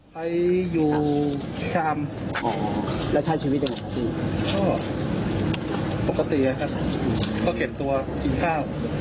ปกตินะครับก็เก็บตัวกินข้าว